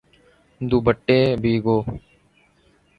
دوپٹے بھگو